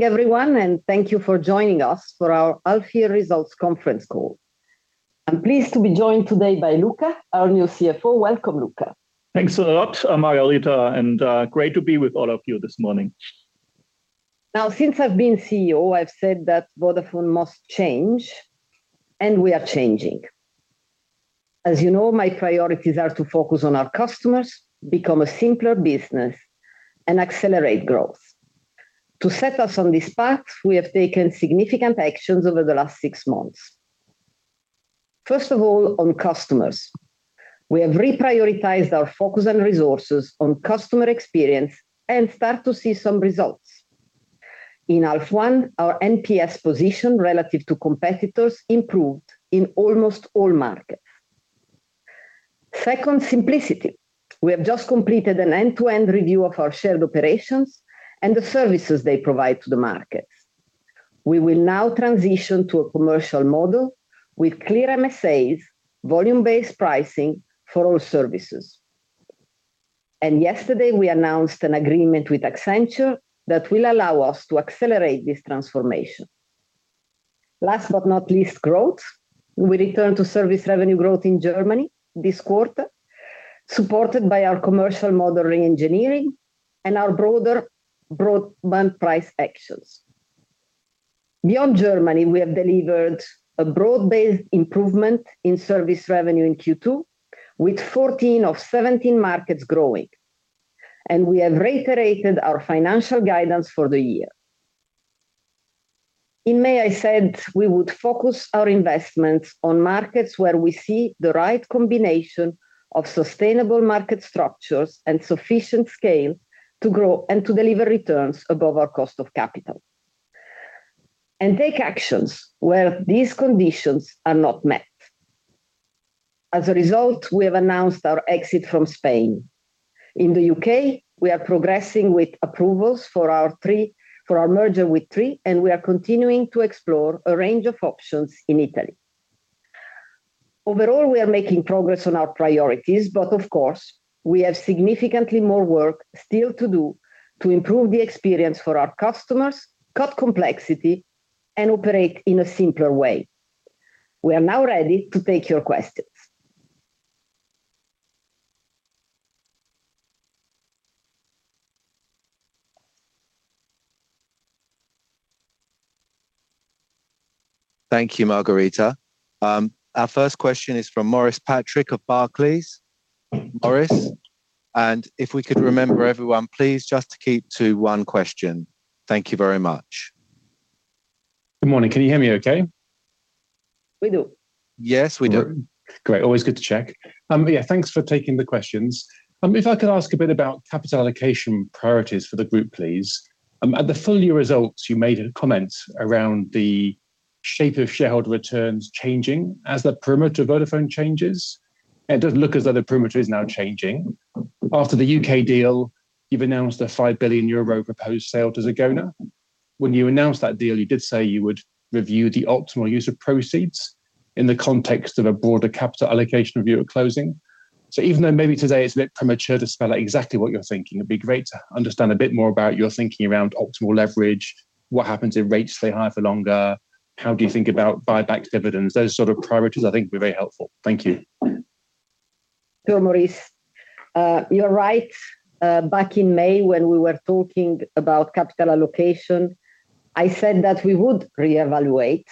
Everyone, and thank you for joining us for our half year results conference call. I'm pleased to be joined today by Luka, our new CFO. Welcome, Luka. Thanks a lot, Margherita, and great to be with all of you this morning. Now, since I've been CEO, I've said that Vodafone must change, and we are changing. As you know, my priorities are to focus on our customers, become a simpler business, and accelerate growth. To set us on this path, we have taken significant actions over the last six months. First of all, on customers. We have reprioritized our focus and resources on customer experience and start to see some results. In half one, our NPS position relative to competitors improved in almost all markets. Second, simplicity. We have just completed an end-to-end review of our shared operations and the services they provide to the market. We will now transition to a commercial model with clear MSAs, volume-based pricing for all services. And yesterday, we announced an agreement with Accenture that will allow us to accelerate this transformation. Last but not least, growth. We return to service revenue growth in Germany this quarter, supported by our commercial model reengineering and our broader broadband price actions. Beyond Germany, we have delivered a broad-based improvement in service revenue in Q2, with 14 of 17 markets growing, and we have reiterated our financial guidance for the year. In May, I said we would focus our investments on markets where we see the right combination of sustainable market structures and sufficient scale to grow and to deliver returns above our cost of capital, and take actions where these conditions are not met. As a result, we have announced our exit from Spain. In the U.K., we are progressing with approvals for our merger with Three, and we are continuing to explore a range of options in Italy. Overall, we are making progress on our priorities, but of course, we have significantly more work still to do to improve the experience for our customers, cut complexity, and operate in a simpler way. We are now ready to take your questions. Thank you, Margherita. Our first question is from Maurice Patrick of Barclays. Maurice? And if we could remember, everyone, please just keep to one question. Thank you very much. Good morning. Can you hear me okay? We do. Yes, we do. Great. Always good to check. Yeah, thanks for taking the questions. If I could ask a bit about capital allocation priorities for the group, please. At the full year results, you made a comment around the shape of shareholder returns changing as the perimeter of Vodafone changes. It does look as though the perimeter is now changing. After the U.K. deal, you've announced a 5 billion euro proposed sale to Zegona. When you announced that deal, you did say you would review the optimal use of proceeds in the context of a broader capital allocation review at closing. So even though maybe today it's a bit premature to spell out exactly what you're thinking, it'd be great to understand a bit more about your thinking around optimal leverage. What happens if rates stay high for longer? How do you think about buybacks, dividends? Those sort of priorities, I think, would be very helpful. Thank you. Sure, Maurice. You're right. Back in May, when we were talking about capital allocation, I said that we would reevaluate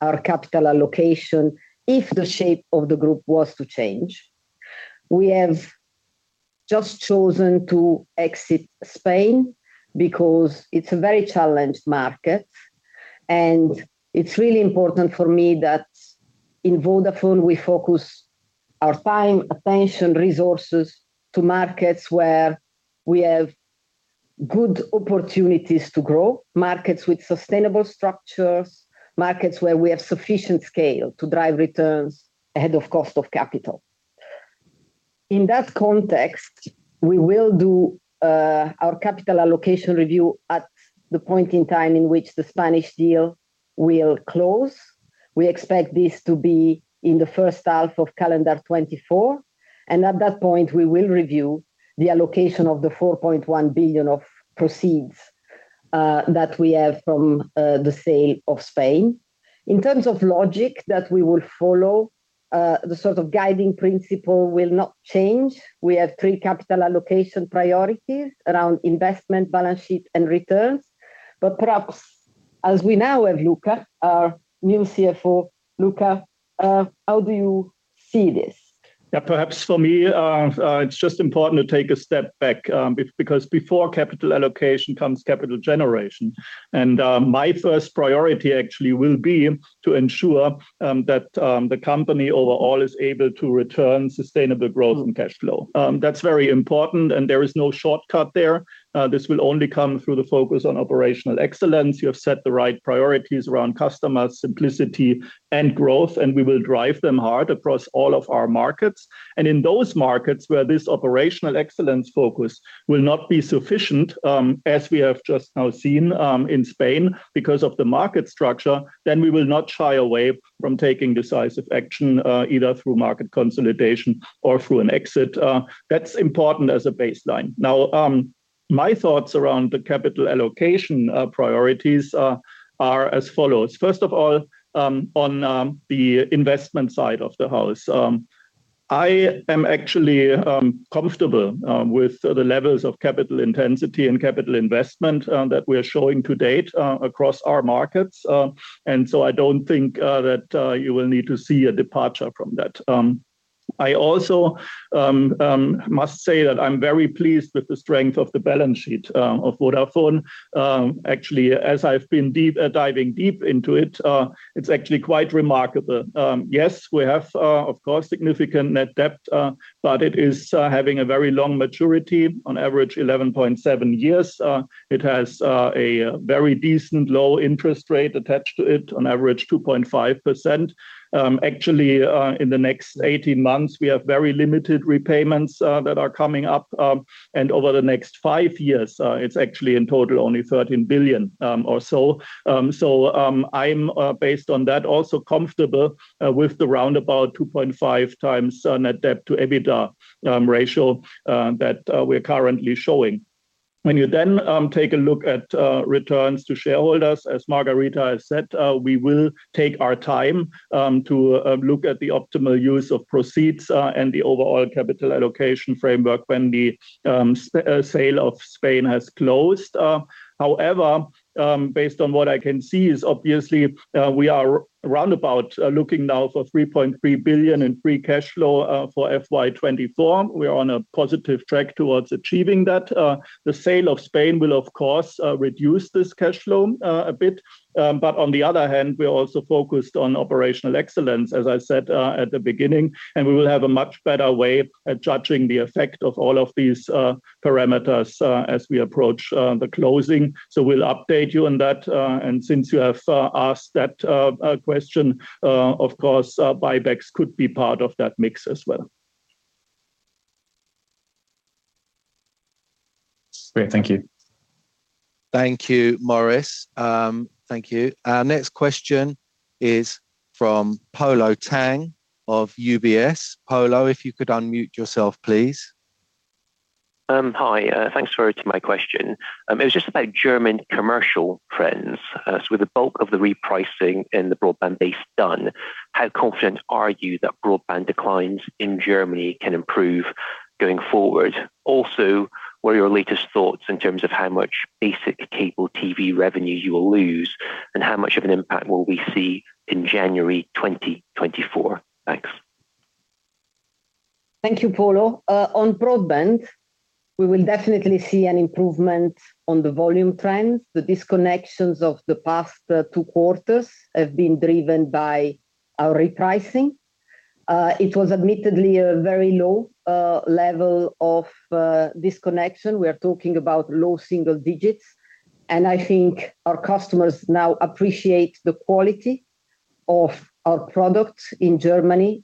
our capital allocation if the shape of the group was to change. We have just chosen to exit Spain because it's a very challenged market, and it's really important for me that in Vodafone, we focus our time, attention, resources to markets where we have good opportunities to grow, markets with sustainable structures, markets where we have sufficient scale to drive returns ahead of cost of capital. In that context, we will do our capital allocation review at the point in time in which the Spanish deal will close. We expect this to be in the first half of calendar 2024, and at that point, we will review the allocation of the 4.1 billion of proceeds that we have from the sale of Spain. In terms of logic that we will follow, the sort of guiding principle will not change. We have three capital allocation priorities around investment, balance sheet, and returns. But perhaps, as we now have Luka, our new CFO, Luka, how do you see this? Yeah, perhaps for me, it's just important to take a step back, because before capital allocation comes capital generation, and my first priority actually will be to ensure that the company overall is able to return sustainable growth and cash flow. That's very important, and there is no shortcut there. This will only come through the focus on operational excellence. You have set the right priorities around customers, simplicity, and growth, and we will drive them hard across all of our markets. And in those markets where this operational excellence focus will not be sufficient, as we have just now seen in Spain, because of the market structure, then we will not shy away from taking decisive action, either through market consolidation or through an exit. That's important as a baseline. Now, my thoughts around the capital allocation, priorities, are as follows. First of all, on the investment side of the house. I am actually comfortable with the levels of capital intensity and capital investment that we are showing to date across our markets. And so I don't think that you will need to see a departure from that. I also must say that I'm very pleased with the strength of the balance sheet of Vodafone. Actually, as I've been diving deep into it, it's actually quite remarkable. Yes, we have of course significant net debt, but it is having a very long maturity, on average, 11.7 years. It has a very decent low interest rate attached to it, on average, 2.5%. Actually, in the next 18 months, we have very limited repayments that are coming up, and over the next five years, it's actually in total, only 13 billion or so. So, I'm based on that, also comfortable with the roundabout 2.5 times net debt to EBITDA ratio that we're currently showing. When you then take a look at returns to shareholders, as Margherita has said, we will take our time to look at the optimal use of proceeds and the overall capital allocation framework when the sale of Spain has closed. However, based on what I can see is obviously, we are roundabout looking now for 3.3 billion in free cash flow for FY 2024. We are on a positive track towards achieving that. The sale of Spain will, of course, reduce this cash flow a bit, but on the other hand, we are also focused on operational excellence, as I said at the beginning, and we will have a much better way at judging the effect of all of these parameters as we approach the closing. So we'll update you on that, and since you have asked that question, of course, buybacks could be part of that mix as well. Great. Thank you. Thank you, Maurice. Thank you. Our next question is from Polo Tang of UBS. Polo, if you could unmute yourself, please. Hi. Thanks for taking my question. It was just about German commercial trends. So with the bulk of the repricing in the broadband base done, how confident are you that broadband declines in Germany can improve going forward? Also, what are your latest thoughts in terms of how much basic cable TV revenue you will lose, and how much of an impact will we see in January 2024? Thanks. Thank you, Polo. On broadband, we will definitely see an improvement on the volume trends. The disconnections of the past two quarters have been driven by our repricing. It was admittedly a very low level of disconnection. We are talking about low single digits, and I think our customers now appreciate the quality of our products in Germany.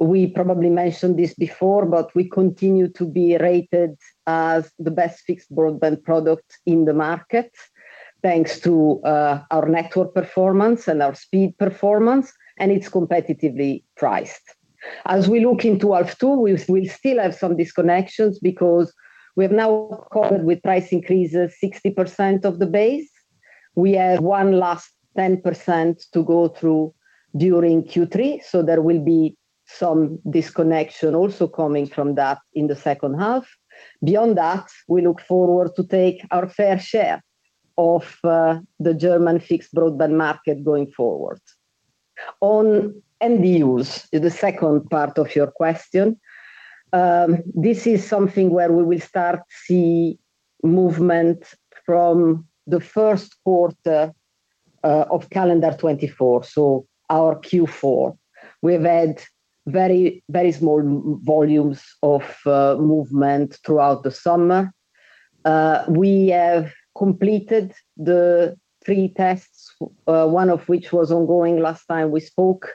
We probably mentioned this before, but we continue to be rated as the best fixed broadband product in the market, thanks to our network performance and our speed performance, and it's competitively priced. As we look into H2, we still have some disconnections because we have now covered with price increases 60% of the base. We have one last 10% to go through during Q3, so there will be some disconnection also coming from that in the second half. Beyond that, we look forward to take our fair share of the German fixed broadband market going forward. On end use, the second part of your question. This is something where we will start to see movement from the first quarter of calendar 2024, so our Q4. We have had very, very small volumes of movement throughout the summer. We have completed the 3 tests, one of which was ongoing last time we spoke,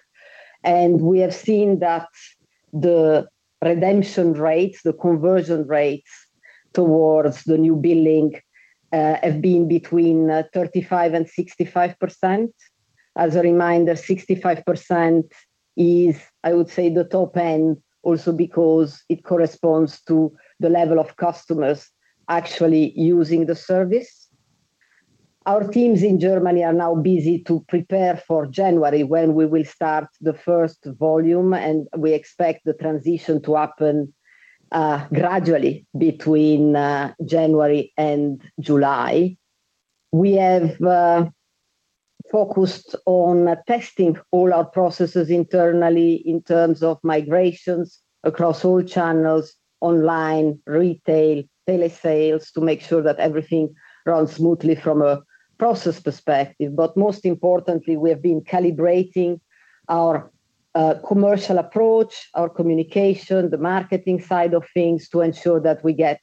and we have seen that the redemption rates, the conversion rates towards the new billing, have been between 35% and 65%. As a reminder, 65% is, I would say, the top end, also because it corresponds to the level of customers actually using the service. Our teams in Germany are now busy to prepare for January, when we will start the first volume, and we expect the transition to happen gradually between January and July. We have focused on testing all our processes internally in terms of migrations across all channels, online, retail, telesales, to make sure that everything runs smoothly from a process perspective. But most importantly, we have been calibrating our commercial approach, our communication, the marketing side of things, to ensure that we get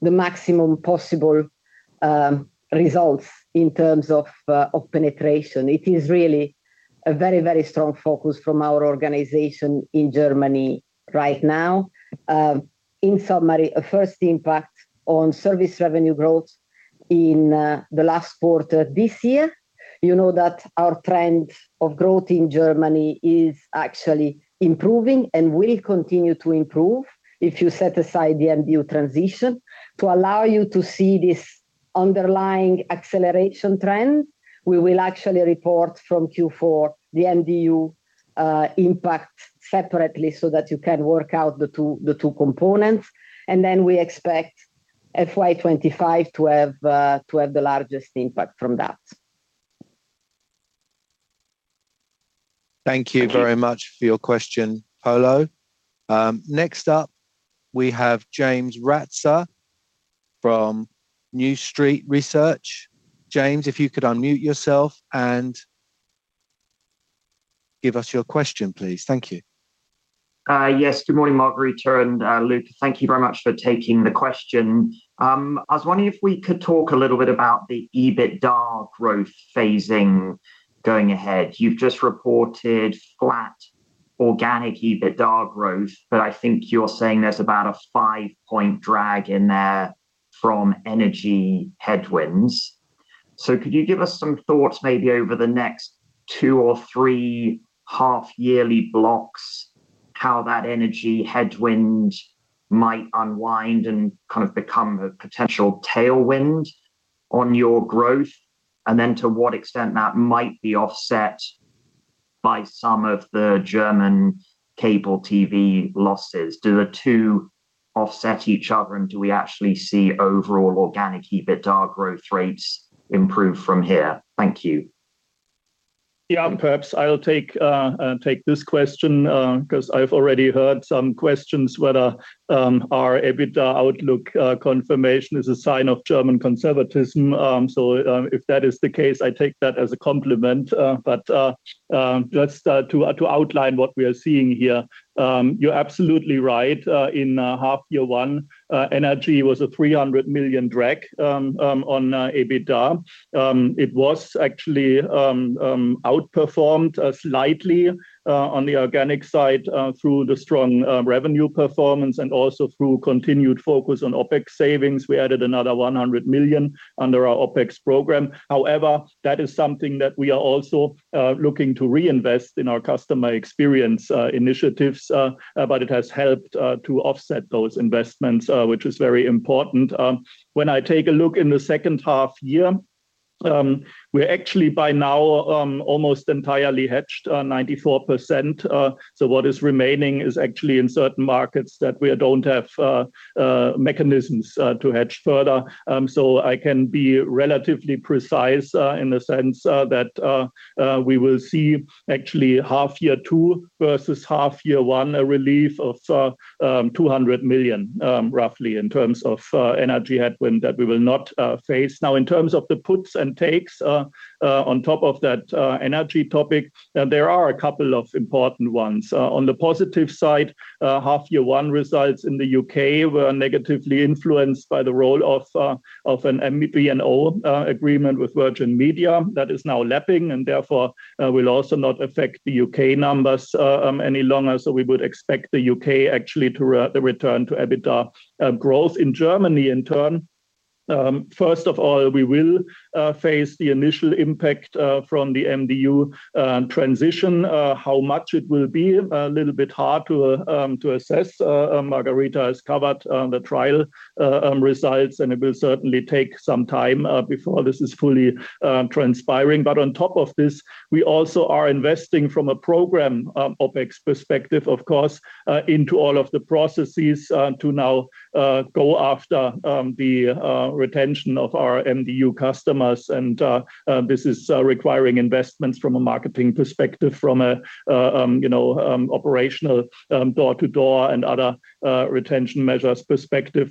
the maximum possible results in terms of of penetration. It is really a very, very strong focus from our organization in Germany right now. In summary, a first impact on service revenue growth in the last quarter this year. You know that our trend of growth in Germany is actually improving and will continue to improve if you set aside the MDU transition. To allow you to see this underlying acceleration trend, we will actually report from Q4 the MDU impact separately so that you can work out the two components, and then we expect FY 2025 to have the largest impact from that. Thank you very much for your question, Polo. Next up, we have James Ratzer from New Street Research. James, if you could unmute yourself and give us your question, please. Thank you. Yes. Good morning, Margherita and Luka. Thank you very much for taking the question. I was wondering if we could talk a little bit about the EBITDA growth phasing going ahead. You've just reported flat organic EBITDA growth, but I think you're saying there's about a five-point drag in there from energy headwinds. So could you give us some thoughts, maybe over the next two or three half yearly blocks, how that energy headwind might unwind and kind of become a potential tailwind on your growth? And then to what extent that might be offset by some of the German cable TV losses. Do the two offset each other, and do we actually see overall organic EBITDA growth rates improve from here? Thank you. Yeah, perhaps I'll take this question, 'cause I've already heard some questions whether our EBITDA outlook confirmation is a sign of German conservatism. So, if that is the case, I take that as a compliment. But just to outline what we are seeing here, you're absolutely right. In half year one, energy was a 300 million drag on EBITDA. It was actually outperformed slightly on the organic side through the strong revenue performance and also through continued focus on OpEx savings. We added another 100 million under our OpEx program. However, that is something that we are also looking to reinvest in our customer experience initiatives, but it has helped to offset those investments, which is very important. When I take a look in the second half year, we're actually by now almost entirely hedged, 94%. So what is remaining is actually in certain markets that we don't have mechanisms to hedge further. So I can be relatively precise in the sense that we will see actually half year two versus half year one, a relief of 200 million roughly in terms of energy headwind that we will not face. Now, in terms of the puts and takes on top of that energy topic, there are a couple of important ones. On the positive side, half year one results in the U.K. were negatively influenced by the role of an MVNO agreement with Virgin Media. That is now lapping and therefore will also not affect the U.K. numbers any longer. So we would expect the U.K. actually to return to EBITDA growth. In Germany, in turn, first of all, we will face the initial impact from the MDU transition. How much it will be, a little bit hard to assess. Margherita has covered the trial results, and it will certainly take some time before this is fully transpiring. But on top of this, we also are investing from a program OpEx perspective, of course, into all of the processes to now go after the retention of our MDU customers. This is requiring investments from a marketing perspective, from a you know operational door-to-door and other retention measures perspective.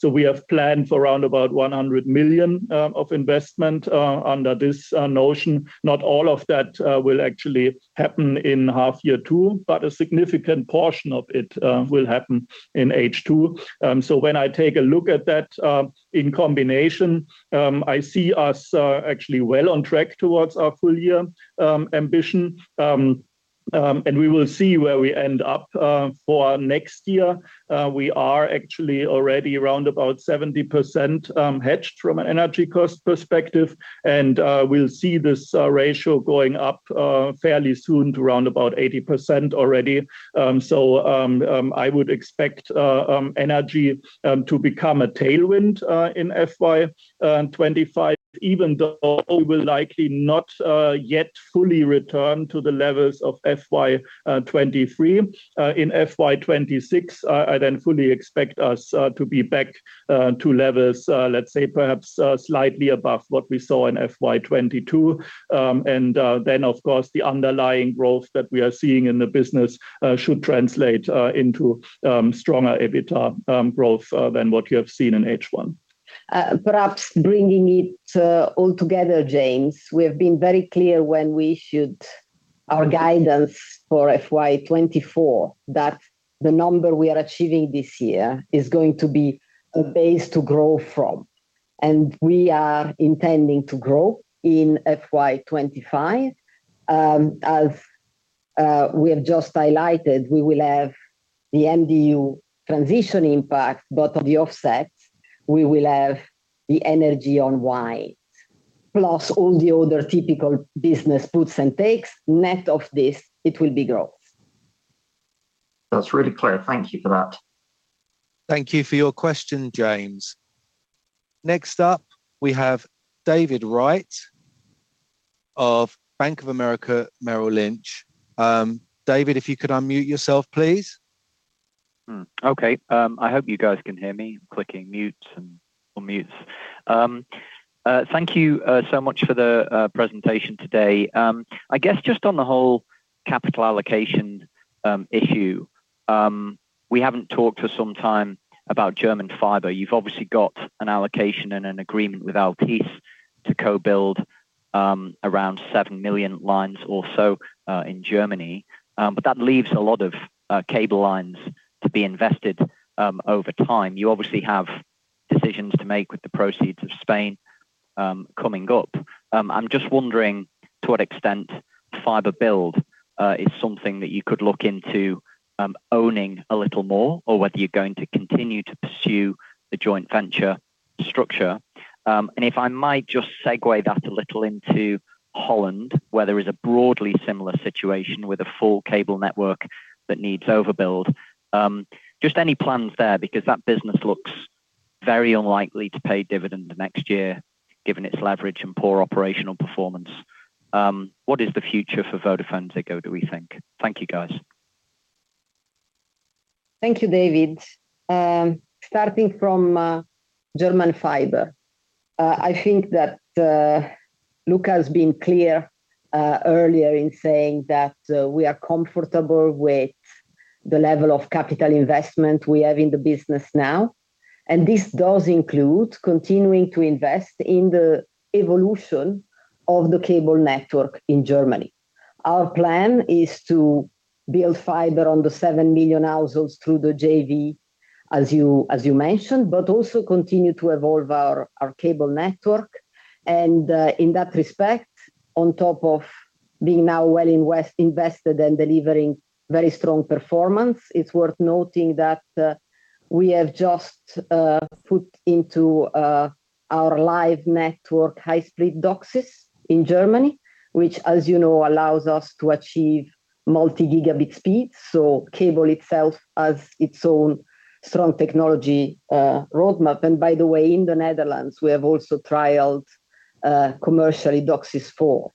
So we have planned for around 100 million of investment under this notion. Not all of that will actually happen in half year two, but a significant portion of it will happen in H2. So when I take a look at that in combination, I see us actually well on track towards our full year ambition. And we will see where we end up for next year. We are actually already around about 70% hedged from an energy cost perspective, and we'll see this ratio going up fairly soon to around about 80% already. So, I would expect energy to become a tailwind in FY 2025, even though we will likely not yet fully return to the levels of FY 2023. In FY 2026, I then fully expect us to be back to levels, let's say perhaps slightly above what we saw in FY 2022. And then, of course, the underlying growth that we are seeing in the business should translate into stronger EBITDA growth than what you have seen in H1. Perhaps bringing it all together, James, we have been very clear when we issued our guidance for FY 2024, that the number we are achieving this year is going to be a base to grow from, and we are intending to grow in FY 2025. As we have just highlighted, we will have the MDU transition impact, but on the offset, we will have the energy unwind, plus all the other typical business puts and takes. Net of this, it will be growth. That's really clear. Thank you for that. Thank you for your question, James. Next up, we have David Wright of Bank of America Merrill Lynch. David, if you could unmute yourself, please. Hmm. Okay. I hope you guys can hear me clicking mute and unmute. Thank you so much for the presentation today. I guess just on the whole capital allocation issue, we haven't talked for some time about German fiber. You've obviously got an allocation and an agreement with Altice to co-build around seven million lines or so in Germany. But that leaves a lot of cable lines to be invested over time. You obviously have decisions to make with the proceeds of Spain coming up. I'm just wondering to what extent fiber build is something that you could look into owning a little more, or whether you're going to continue to pursue the joint venture structure. And if I might just segue that a little into Holland, where there is a broadly similar situation with a full cable network that needs overbuild. Just any plans there? Because that business looks very unlikely to pay dividend the next year, given its leverage and poor operational performance. What is the future for VodafoneZiggo, do we think? Thank you, guys. Thank you, David. Starting from German fiber. I think that Luka has been clear earlier in saying that we are comfortable with the level of capital investment we have in the business now, and this does include continuing to invest in the evolution of the cable network in Germany. Our plan is to build fiber on the seven million households through the JV, as you mentioned, but also continue to evolve our cable network. In that respect, on top of being now well invested and delivering very strong performance, it's worth noting that we have just put into our live network high-speed DOCSIS in Germany, which, as you know, allows us to achieve multi-gigabit speeds, so cable itself has its own strong technology roadmap. By the way, in the Netherlands, we have also trialed commercially DOCSIS 4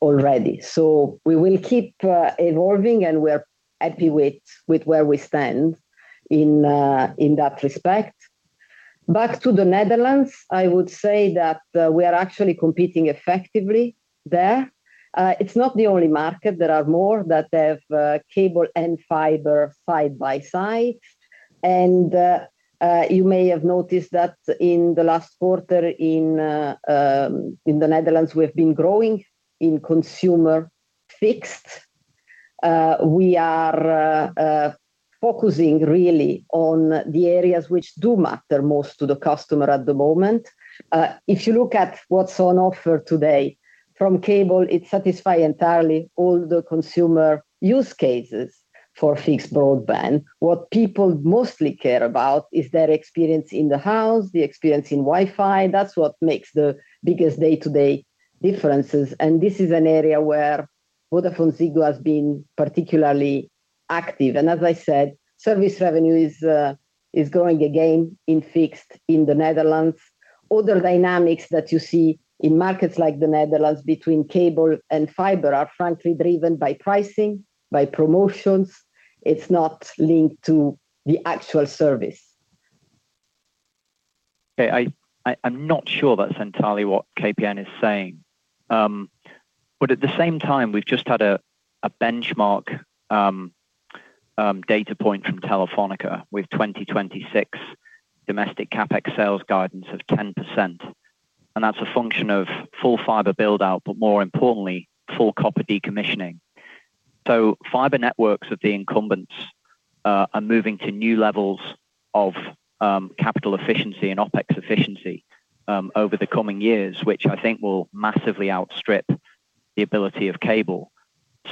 already. So we will keep evolving, and we're happy with, with where we stand in in that respect. Back to the Netherlands, I would say that we are actually competing effectively there. It's not the only market. There are more that have cable and fiber side by side. You may have noticed that in the last quarter, in the Netherlands, we've been growing in consumer fixed. We are focusing really on the areas which do matter most to the customer at the moment. If you look at what's on offer today from cable, it satisfy entirely all the consumer use cases for fixed broadband. What people mostly care about is their experience in the house, the experience in Wi-Fi. That's what makes the biggest day-to-day differences, and this is an area where VodafoneZiggo has been particularly active. And as I said, service revenue is growing again in fixed in the Netherlands. Other dynamics that you see in markets like the Netherlands, between cable and fiber, are frankly driven by pricing, by promotions. It's not linked to the actual service. Okay. I'm not sure that's entirely what KPN is saying. But at the same time, we've just had a benchmark data point from Telefónica with 2026 domestic CapEx sales guidance of 10%, and that's a function of full fiber build-out, but more importantly, full copper decommissioning. So fiber networks of the incumbents are moving to new levels of capital efficiency and OpEx efficiency over the coming years, which I think will massively outstrip the ability of cable.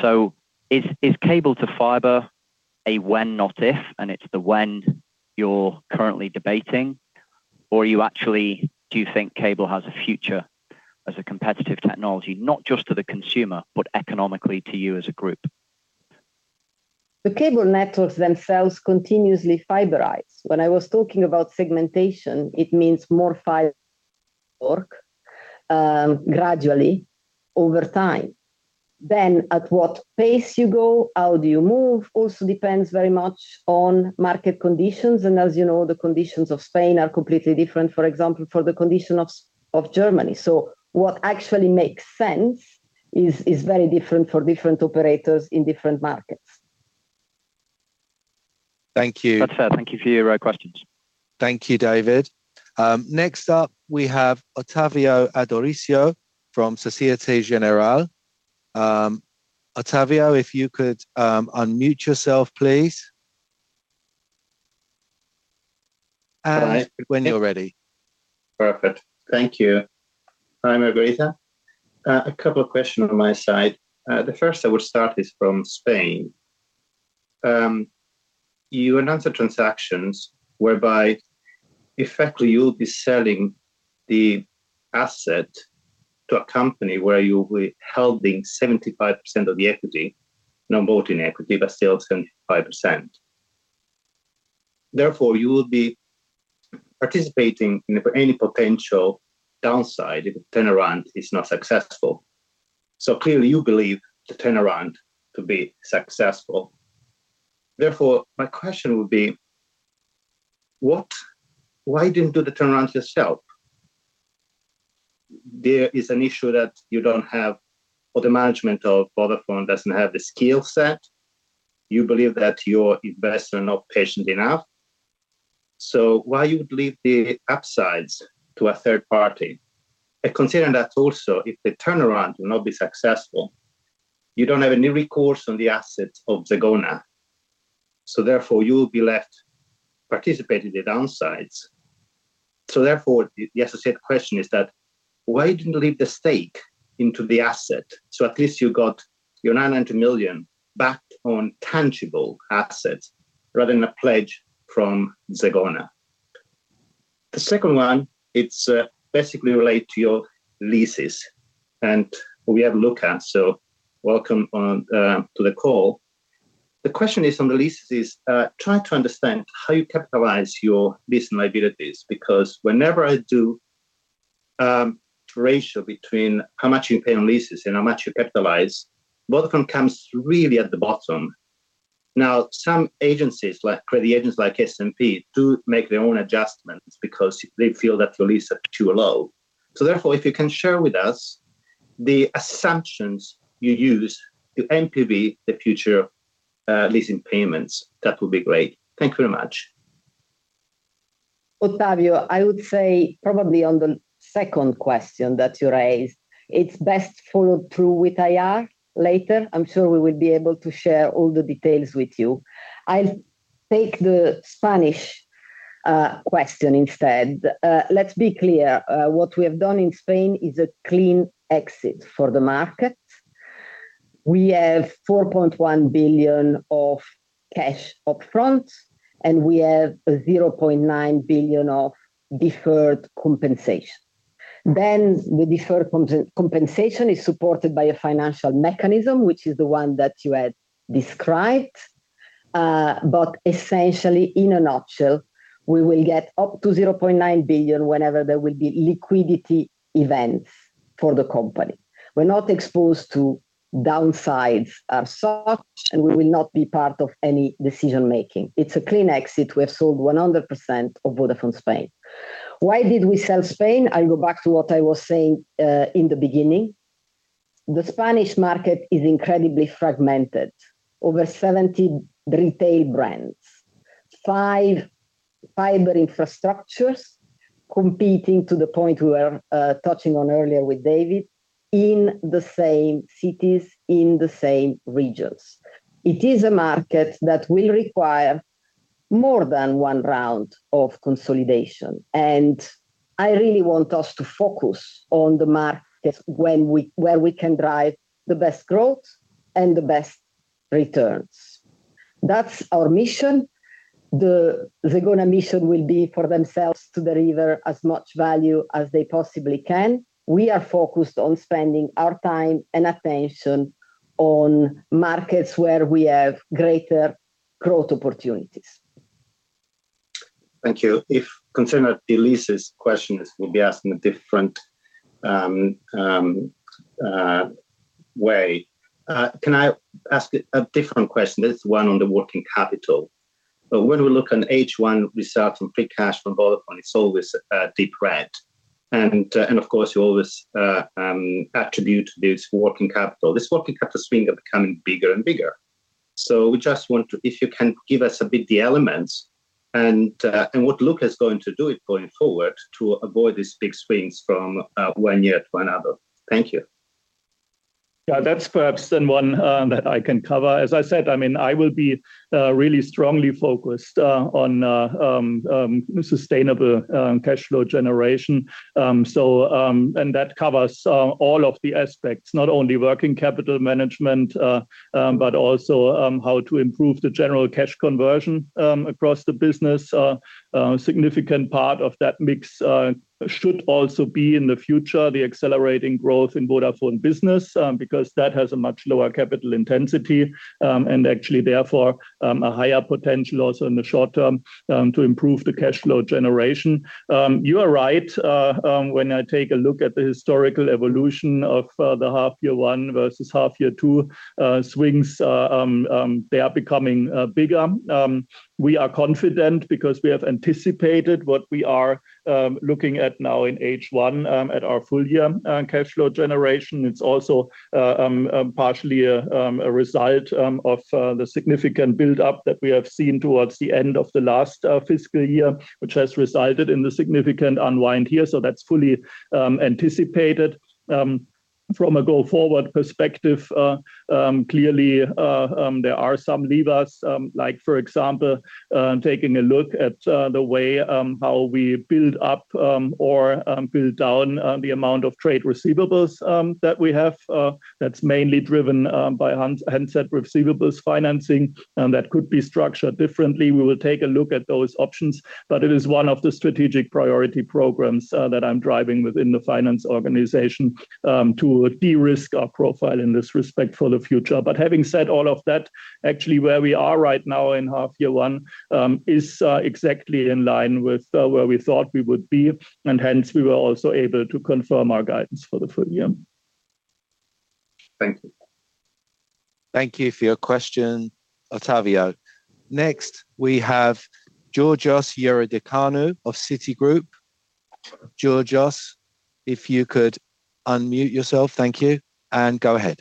So is cable to fiber a when, not if, and it's the when you're currently debating, or you actually do think cable has a future as a competitive technology, not just to the consumer, but economically to you as a group? The cable networks themselves continuously fiberize. When I was talking about segmentation, it means more fiber work, gradually over time. Then at what pace you go, how do you move, also depends very much on market conditions, and as you know, the conditions of Spain are completely different, for example, for the condition of Germany. So what actually makes sense is very different for different operators in different markets. Thank you. That's fair. Thank you for your questions. Thank you, David. Next up, we have Ottavio Adorisio from Société Générale. Ottavio, if you could unmute yourself, please?... when you're ready. Perfect. Thank you. Hi, Margherita. A couple of questions on my side. The first I will start is from Spain. You announced the transactions whereby effectively you'll be selling the asset to a company where you will be holding 75% of the equity, non-voting equity, but still 75%. Therefore, you will be participating in any potential downside if the turnaround is not successful. So clearly, you believe the turnaround to be successful. Therefore, my question would be: what—why didn't you do the turnaround yourself? There is an issue that you don't have, or the management of Vodafone doesn't have the skill set. You believe that your investors are not patient enough. So why would you leave the upsides to a third party? Considering that also, if the turnaround will not be successful, you don't have any recourse on the assets of Zegona, so therefore, you will be left participating the downsides. Therefore, the associated question is that: why didn't you leave the stake into the asset, so at least you got your 900 million backed on tangible assets rather than a pledge from Zegona? The second one, it's basically relate to your leases, and we have Luka. Welcome to the call. The question is on the leases is trying to understand how you capitalize your lease liabilities, because whenever I do ratio between how much you pay on leases and how much you capitalize, Vodafone comes really at the bottom. Now, some agencies, like credit agents like S&P, do make their own adjustments because they feel that the leases are too low. Therefore, if you can share with us the assumptions you use to NPV the future leasing payments, that would be great. Thank you very much. Ottavio, I would say probably on the second question that you raised, it's best followed through with IR later. I'm sure we will be able to share all the details with you. I'll take the Spanish question instead. Let's be clear, what we have done in Spain is a clean exit for the market. We have 4.1 billion of cash upfront, and we have 0.9 billion of deferred compensation. Then the deferred compensation is supported by a financial mechanism, which is the one that you had described. But essentially, in a nutshell, we will get up to 0.9 billion whenever there will be liquidity events for the company. We're not exposed to downsides as such, and we will not be part of any decision-making. It's a clean exit. We have sold 100% of Vodafone Spain. Why did we sell Spain? I go back to what I was saying in the beginning. The Spanish market is incredibly fragmented. Over 70 retail brands, five fiber infrastructures, competing to the point we were touching on earlier with David, in the same cities, in the same regions. It is a market that will require more than one round of consolidation, and I really want us to focus on the markets where we can drive the best growth and the best returns. That's our mission. The Zegona mission will be for themselves to deliver as much value as they possibly can. We are focused on spending our time and attention on markets where we have greater growth opportunities. Thank you. If concerning the leases question will be asked in a different way, can I ask a different question? It's one on the working capital. When we look on H1 results and free cash from Vodafone, it's always deep red. And of course, you always attribute this working capital. This working capital swing are becoming bigger and bigger. So we just want to—if you can give us a bit the elements and what Luka is going to do it going forward to avoid these big swings from one year to another? Thank you. Yeah, that's perhaps then one that I can cover. As I said, I mean, I will be really strongly focused on sustainable cash flow generation. So, and that covers all of the aspects, not only working capital management, but also how to improve the general cash conversion across the business. A significant part of that mix should also be in the future the accelerating growth in Vodafone business, because that has a much lower capital intensity, and actually therefore a higher potential also in the short term to improve the cash flow generation. You are right when I take a look at the historical evolution of the half year one versus half year two swings, they are becoming bigger. We are confident because we have anticipated what we are looking at now in H1 at our full year cash flow generation. It's also partially a result of the significant build-up that we have seen towards the end of the last fiscal year, which has resulted in the significant unwind here. So that's fully anticipated. From a go forward perspective, clearly there are some levers like for example taking a look at the way how we build up or build down the amount of trade receivables that we have. That's mainly driven by handset receivables financing, and that could be structured differently. We will take a look at those options, but it is one of the strategic priority programs, that I'm driving within the finance organization, to de-risk our profile in this respect for the future. But having said all of that, actually where we are right now in half year one, is, exactly in line with, where we thought we would be, and hence we were also able to confirm our guidance for the full year. Thank you. Thank you for your question, Ottavio. Next, we have Georgios Ierodiakonou of Citigroup. Georgios, if you could unmute yourself. Thank you, and go ahead.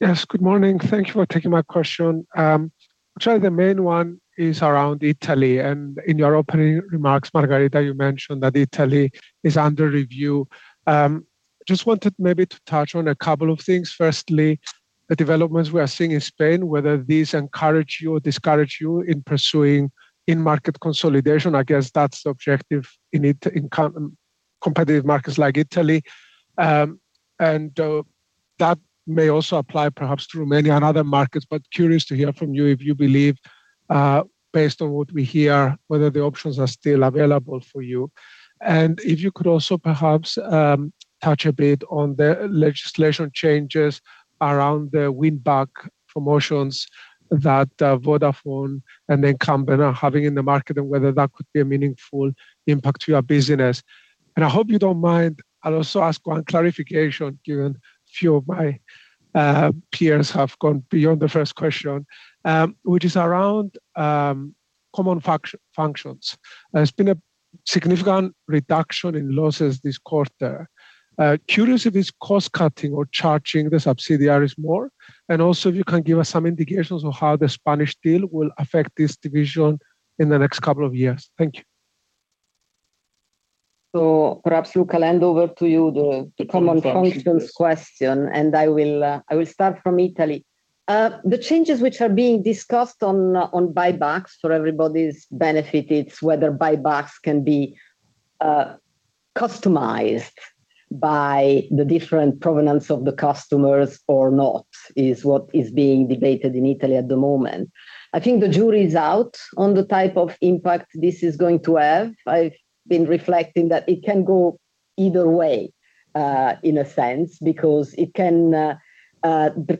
Yes, good morning. Thank you for taking my question. Actually, the main one is around Italy, and in your opening remarks, Margherita, you mentioned that Italy is under review. Just wanted maybe to touch on a couple of things. Firstly, the developments we are seeing in Spain, whether these encourage you or discourage you in pursuing in-market consolidation, I guess that's the objective in co-competitive markets like Italy. And that may also apply perhaps to many and other markets, but curious to hear from you if you believe, based on what we hear, whether the options are still available for you. And if you could also perhaps touch a bit on the legislation changes around the win-back promotions that Vodafone and the incumbent are having in the market, and whether that could be a meaningful impact to your business. I hope you don't mind, I'll also ask one clarification, given a few of my peers have gone beyond the first question, which is around common functions. There's been a significant reduction in losses this quarter. Curious if it's cost cutting or charging the subsidiaries more, and also if you can give us some indications on how the Spanish deal will affect this division in the next couple of years. Thank you. So perhaps, Luka, I'll hand over to you the common functions question, and I will, I will start from Italy. The changes which are being discussed on buybacks for everybody's benefit, it's whether buybacks can be customized by the different provenance of the customers or not, is what is being debated in Italy at the moment. I think the jury is out on the type of impact this is going to have. I've been reflecting that it can go either way, in a sense, because it can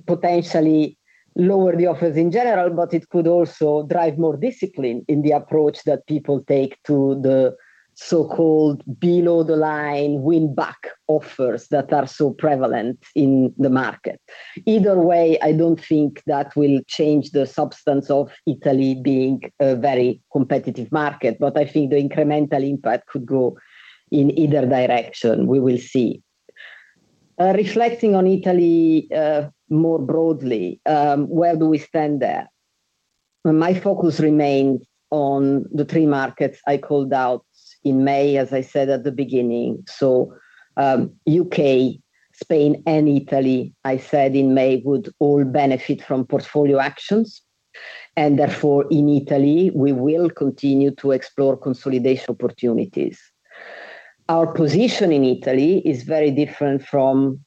potentially lower the offers in general, but it could also drive more discipline in the approach that people take to the so-called below-the-line win-back offers that are so prevalent in the market. Either way, I don't think that will change the substance of Italy being a very competitive market, but I think the incremental impact could go in either direction. We will see. Reflecting on Italy, more broadly, where do we stand there? My focus remains on the three markets I called out in May, as I said at the beginning. So, U.K., Spain, and Italy, I said in May, would all benefit from portfolio actions, and therefore, in Italy, we will continue to explore consolidation opportunities. Our position in Italy is very different from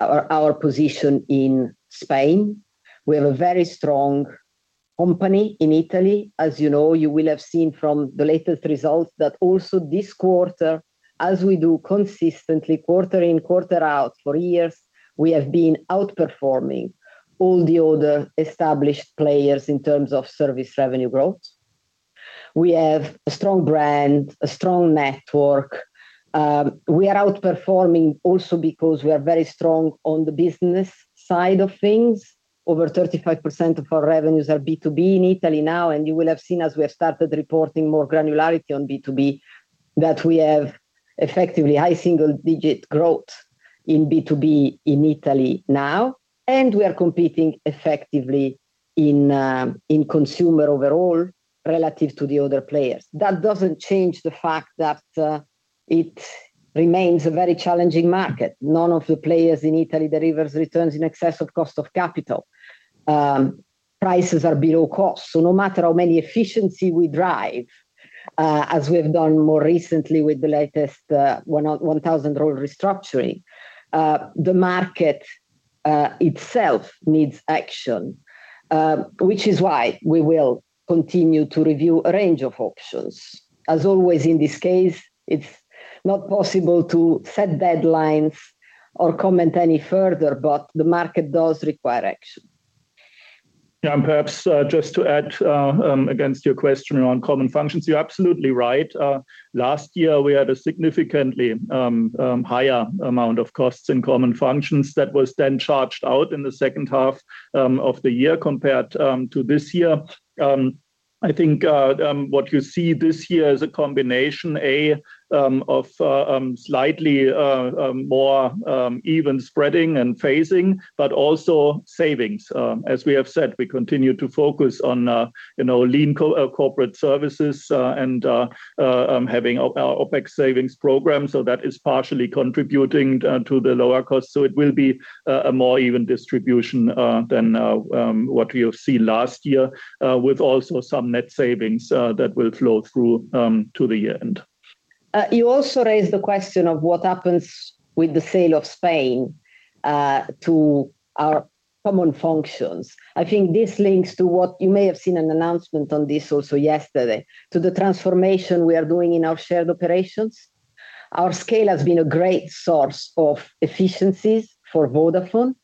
our position in Spain. We have a very strong company in Italy. As you know, you will have seen from the latest results that also this quarter, as we do consistently quarter in, quarter out, for years, we have been outperforming all the other established players in terms of service revenue growth. We have a strong brand, a strong network. We are outperforming also because we are very strong on the business side of things. Over 35% of our revenues are B2B in Italy now, and you will have seen as we have started reporting more granularity on B2B, that we have effectively high single-digit growth in B2B in Italy now, and we are competing effectively in consumer overall relative to the other players. That doesn't change the fact that it remains a very challenging market. None of the players in Italy delivers returns in excess of cost of capital. Prices are below cost, so no matter how many efficiency we drive, as we have done more recently with the latest 1,000 role restructuring, the market itself needs action, which is why we will continue to review a range of options. As always, in this case, it's not possible to set deadlines or comment any further, but the market does require action. Yeah, and perhaps, just to add, against your question on common functions, you're absolutely right. Last year, we had a significantly higher amount of costs in common functions that was then charged out in the second half of the year compared to this year. I think what you see this year is a combination, A, of slightly more even spreading and phasing, but also savings. As we have said, we continue to focus on, you know, lean corporate services, and having our OpEx savings program. So that is partially contributing to the lower cost. So it will be a more even distribution than what we have seen last year, with also some net savings that will flow through to the year-end. You also raised the question of what happens with the sale of Spain to our common functions. I think this links to what you may have seen an announcement on this also yesterday, to the transformation we are doing in our shared operations. Our scale has been a great source of efficiencies for Vodafone,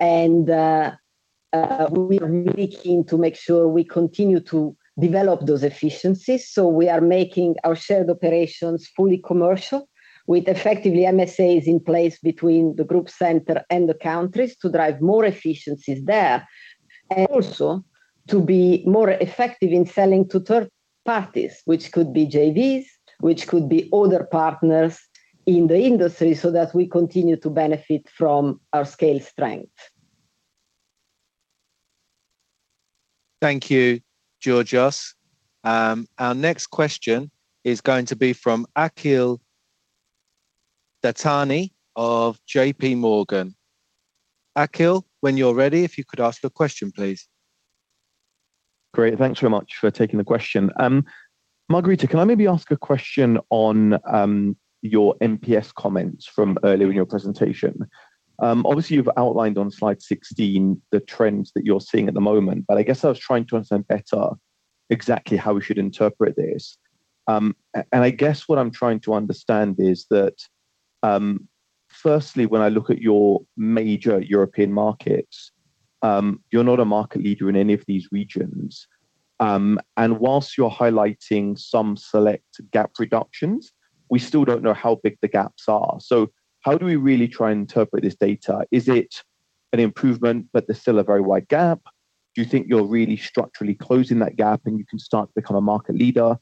and we are really keen to make sure we continue to develop those efficiencies, so we are making our shared operations fully commercial, with effectively MSAs in place between the group center and the countries to drive more efficiencies there. And also to be more effective in selling to third parties, which could be JVs, which could be other partners in the industry, so that we continue to benefit from our scale strength. Thank you, Georgios. Our next question is going to be from Akhil Dattani of JP Morgan. Akhil, when you're ready, if you could ask the question, please. Great. Thanks very much for taking the question. Margherita, can I maybe ask a question on your NPS comments from earlier in your presentation? Obviously, you've outlined on slide 16 the trends that you're seeing at the moment, but I guess I was trying to understand better exactly how we should interpret this. I guess what I'm trying to understand is that, firstly, when I look at your major European markets, you're not a market leader in any of these regions. While you're highlighting some select gap reductions, we still don't know how big the gaps are. So how do we really try and interpret this data? Is it an improvement, but there's still a very wide gap? Do you think you're really structurally closing that gap, and you can start to become a market leader?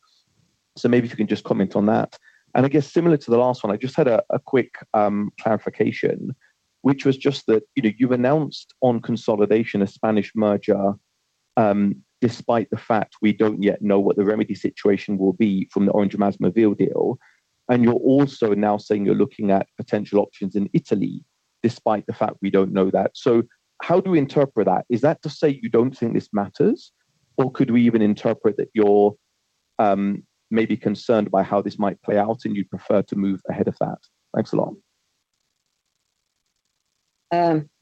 So maybe if you can just comment on that. And I guess similar to the last one, I just had a quick clarification, which was just that, you know, you've announced on consolidation, a Spanish merger, despite the fact we don't yet know what the remedy situation will be from the Orange MásMóvil deal, and you're also now saying you're looking at potential options in Italy, despite the fact we don't know that. So how do we interpret that? Is that to say you don't think this matters, or could we even interpret that you're maybe concerned by how this might play out and you'd prefer to move ahead of that? Thanks a lot.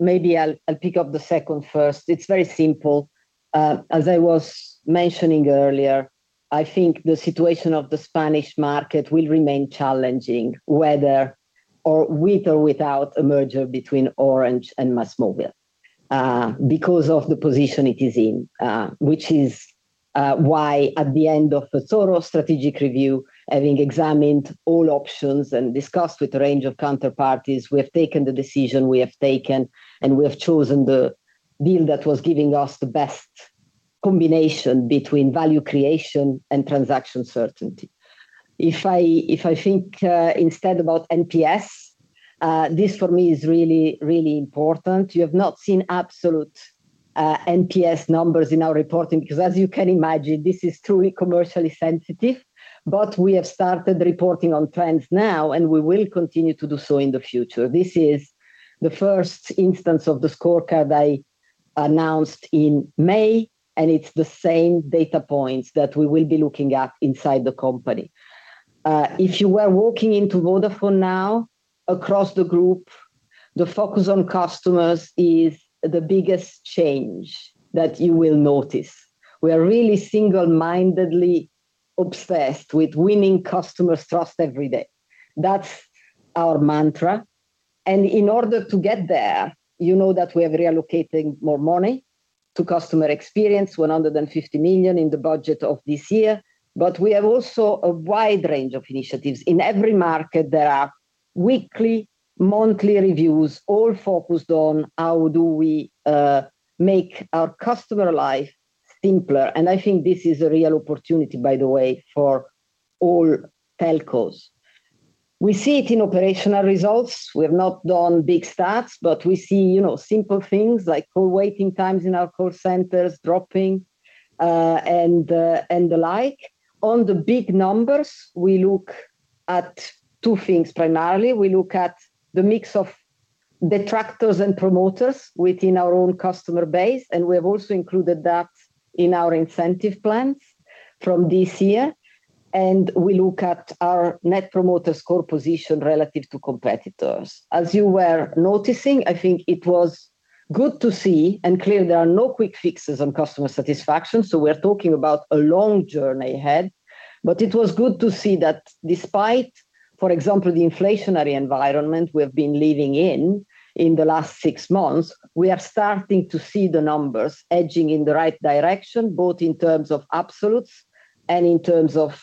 Maybe I'll, I'll pick up the second first. It's very simple. As I was mentioning earlier, I think the situation of the Spanish market will remain challenging, whether or with or without a merger between Orange and MásMóvil, because of the position it is in. Which is why at the end of a thorough strategic review, having examined all options and discussed with a range of counterparties, we have taken the decision we have taken, and we have chosen the deal that was giving us the best combination between value creation and transaction certainty. If I, if I think, instead about NPS, this for me is really, really important. You have not seen absolute, NPS numbers in our reporting, because as you can imagine, this is truly commercially sensitive. But we have started reporting on trends now, and we will continue to do so in the future. This is the first instance of the scorecard I announced in May, and it's the same data points that we will be looking at inside the company. If you were walking into Vodafone now, across the group, the focus on customers is the biggest change that you will notice. We are really single-mindedly obsessed with winning customers' trust every day. That's our mantra, and in order to get there, you know that we are reallocating more money to customer experience, 150 million in the budget of this year. But we have also a wide range of initiatives. In every market, there are weekly, monthly reviews, all focused on how do we make our customer life simpler, and I think this is a real opportunity, by the way, for all telcos. We see it in operational results. We have not done big stats, but we see, you know, simple things like call waiting times in our call centers dropping, and the like. On the big numbers, we look at two things. Primarily, we look at the mix of detractors and promoters within our own customer base, and we have also included that in our incentive plans from this year. And we look at our Net Promoter Score position relative to competitors. As you were noticing, I think it was good to see and clear there are no quick fixes on customer satisfaction, so we're talking about a long journey ahead. But it was good to see that despite, for example, the inflationary environment we've been living in in the last six months, we are starting to see the numbers edging in the right direction, both in terms of absolute and in terms of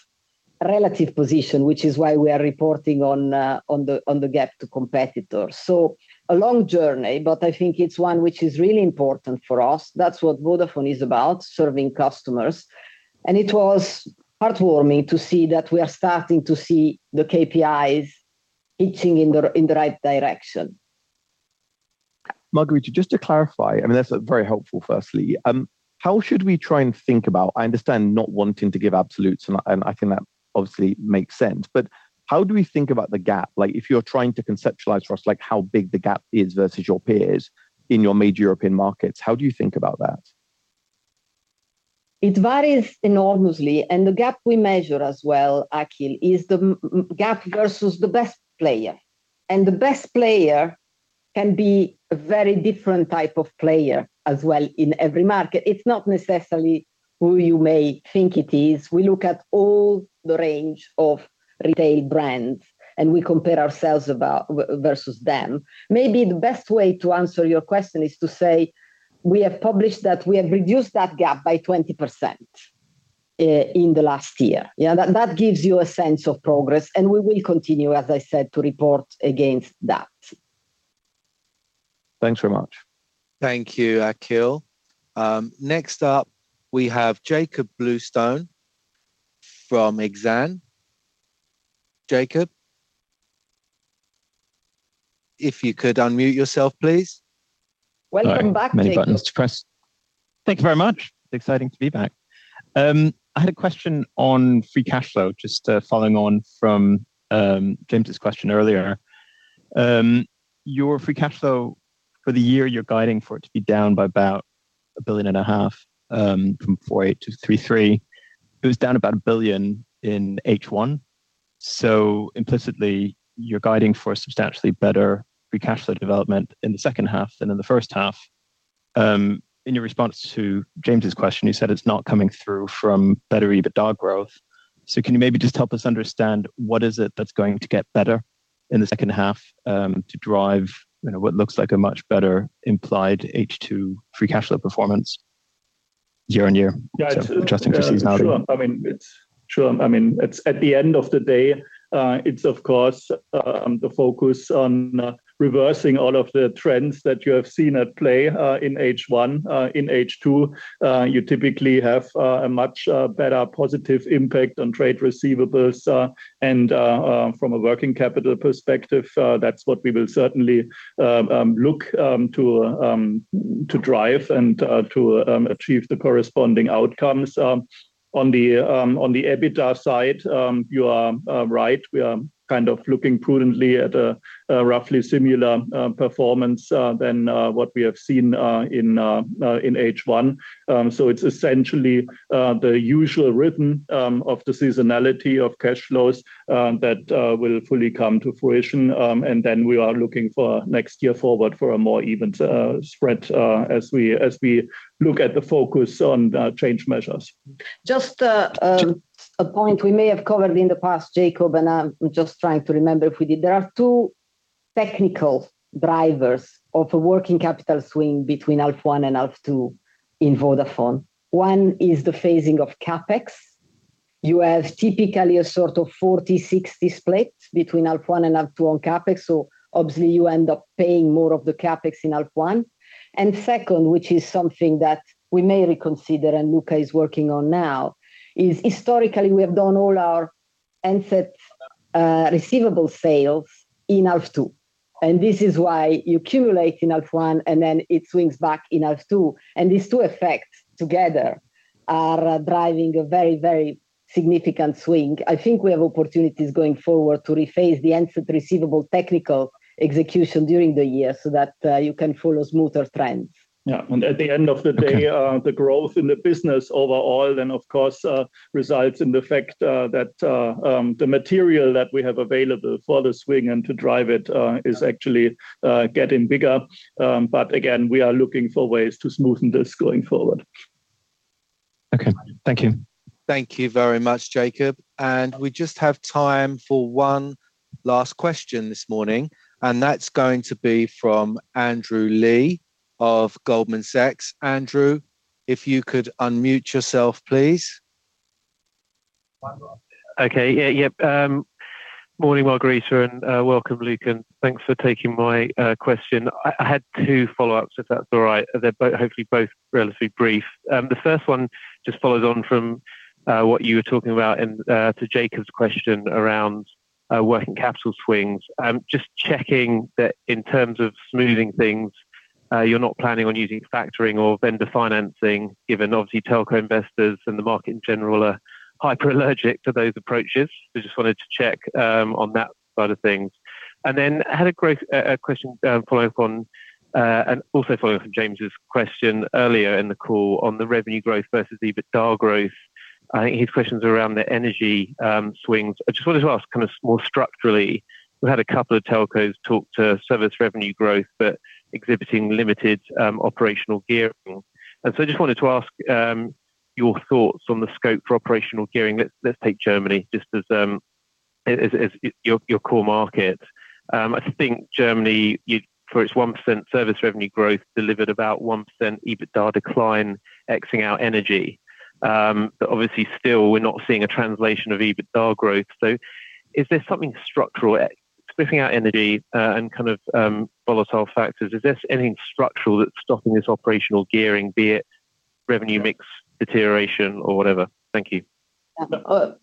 relative position, which is why we are reporting on the gap to competitors. So a long journey, but I think it's one which is really important for us. That's what Vodafone is about, serving customers, and it was heartwarming to see that we are starting to see the KPIs edging in the right direction. Margherita, just to clarify, I mean, that's very helpful, firstly. How should we try and think about. I understand not wanting to give absolutes, and I, and I think that obviously makes sense, but how do we think about the gap? Like, if you're trying to conceptualize for us, like, how big the gap is versus your peers in your major European markets, how do you think about that? It varies enormously, and the gap we measure as well, Akhil, is the gap versus the best player. And the best player can be a very different type of player as well in every market. It's not necessarily who you may think it is. We look at all the range of retail brands, and we compare ourselves about versus them. Maybe the best way to answer your question is to say, we have published that we have reduced that gap by 20% in the last year. Yeah, that, that gives you a sense of progress, and we will continue, as I said, to report against that. Thanks very much. Thank you, Akhil. Next up, we have Jakob Bluestone from Exane. Jakob? If you could unmute yourself, please. Welcome back, Jakob. Many buttons to press. Thank you very much. It's exciting to be back. I had a question on free cash flow, just, following on from James's question earlier. Your free cash flow for the year, you're guiding for it to be down by about 1.5 billion, from 4.8 billion - 3.3 billion. It was down about 1 billion in H1, so implicitly, you're guiding for a substantially better free cash flow development in the second half than in the first half. In your response to James's question, you said it's not coming through from better EBITDA growth. So can you maybe just help us understand what is it that's going to get better in the second half, to drive, you know, what looks like a much better implied H2 free cash flow performance year-over-year? Yeah. Just in case he's having- Sure. I mean, it's at the end of the day, it's of course the focus on reversing all of the trends that you have seen at play in H1. In H2, you typically have a much better positive impact on trade receivables, and from a working capital perspective, that's what we will certainly look to drive and to achieve the corresponding outcomes. On the EBITDA side, you are right. We are kind of looking prudently at a roughly similar performance than what we have seen in H1. So it's essentially the usual rhythm of the seasonality of cash flows that will fully come to fruition, and then we are looking for next year forward for a more even spread as we look at the focus on change measures. Just, a point we may have covered in the past, Jakob, and I'm just trying to remember if we did. There are two technical drivers of a working capital swing between H1 and H2 in Vodafone. One is the phasing of CapEx. You have typically a sort of 40-60 split between H1 and H2 on CapEx, so obviously, you end up paying more of the CapEx in H1. And second, which is something that we may reconsider and Luka is working on now, is historically, we have done all our asset receivable sales in H2, and this is why you accumulate in H1, and then it swings back in H2. And these two effects together are driving a very, very significant swing. I think we have opportunities going forward to rephase the asset receivable technical execution during the year so that, you can follow smoother trends. Yeah. And at the end of the day, the growth in the business overall then, of course, resides in the fact that the material that we have available for the swing and to drive it is actually getting bigger. But again, we are looking for ways to smoothen this going forward. Okay. Thank you. Thank you very much, Jakob. We just have time for one last question this morning, and that's going to be from Andrew Lee of Goldman Sachs. Andrew, if you could unmute yourself, please. Okay. Yeah, yep. Morning, Margherita, and welcome, Luka, and thanks for taking my question. I had two follow-ups, if that's all right. They're both, hopefully both relatively brief. The first one just follows on from what you were talking about and to Jakob's question around working capital swings. Just checking that in terms of smoothing things, you're not planning on using factoring or vendor financing, given obviously, telco investors and the market in general are hyperallergic to those approaches. I just wanted to check on that side of things. And then I had a question following up on and also following up on James's question earlier in the call on the revenue growth versus the EBITDA growth. I think his question's around the energy swings. I just wanted to ask kind of more structurally, we've had a couple of telcos talk to service Revenue growth, but exhibiting limited operational gearing. And so I just wanted to ask your thoughts on the scope for operational gearing. Let's take Germany just as your core market. I think Germany, you, for its 1% Service Revenue growth, delivered about 1% EBITDA decline, exing out energy. But obviously still, we're not seeing a translation of EBITDA growth. So is there something structural, excluding out energy, and kind of volatile factors, is there anything structural that's stopping this operational gearing, be it revenue mix, deterioration, or whatever? Thank you.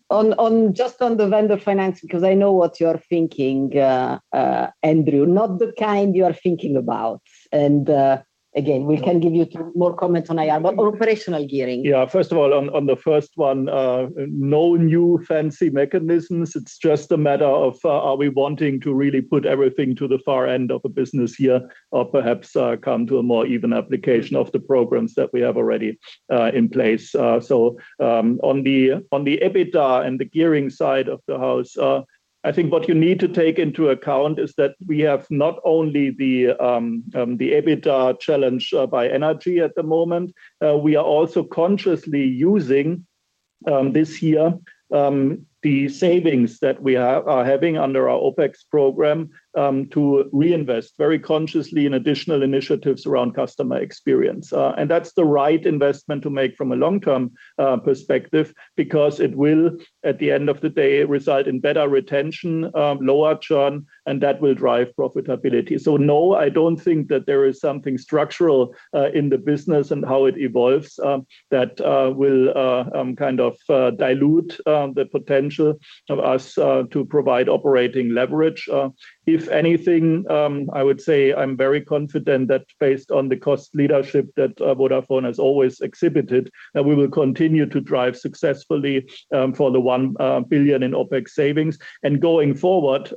On just on the vendor finance, because I know what you're thinking, Andrew, not the kind you are thinking about. And again, we can give you more comments on IR, but operational gearing. Yeah, first of all, on the first one, no new fancy mechanisms. It's just a matter of, are we wanting to really put everything to the far end of a business year or perhaps come to a more even application of the programs that we have already in place? So, on the EBITDA and the gearing side of the house, I think what you need to take into account is that we have not only the EBITDA challenge by energy at the moment. We are also consciously using this year the savings that we are having under our OpEx program to reinvest very consciously in additional initiatives around customer experience. And that's the right investment to make from a long-term perspective, because it will, at the end of the day, result in better retention, lower churn, and that will drive profitability. So no, I don't think that there is something structural in the business and how it evolves, that will kind of dilute the potential of us to provide operating leverage. If anything, I would say I'm very confident that based on the cost leadership that Vodafone has always exhibited, that we will continue to drive successfully for the 1 billion in OpEx savings. Going forward,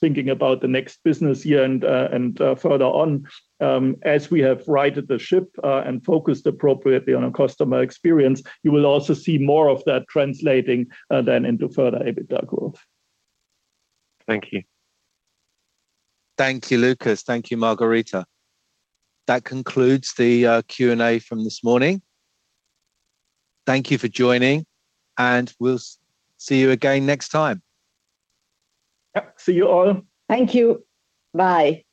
thinking about the next business year and further on, as we have righted the ship and focused appropriately on a customer experience, you will also see more of that translating then into further EBITDA growth. Thank you. Thank you, Luka. Thank you, Margherita. That concludes the Q&A from this morning. Thank you for joining, and we'll see you again next time. Yeah. See you all. Thank you. Bye.